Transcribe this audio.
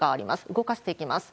動かしていきます。